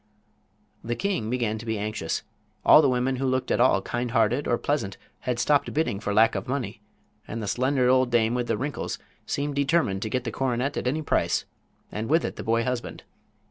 The king began to be anxious. All the women who looked at all kind hearted or pleasant had stopped bidding for lack of money, and the slender old dame with the wrinkles seemed determined to get the coronet at any price, and with it the boy husband.